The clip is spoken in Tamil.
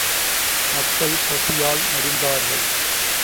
மக்கள் பசியால் மடிந்தார்கள்!